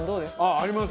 あります。